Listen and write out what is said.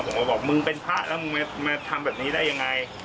ผมก็บอกมึงเป็นพระแล้วมึงมาทำแบบนี้ได้ยังไง